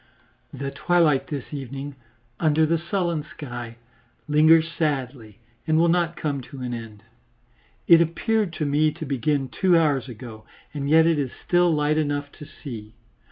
The twilight this evening, under the sullen sky, lingers sadly, and will not come to an end. It appeared to me to begin two hours ago, and yet it is still light enough to see.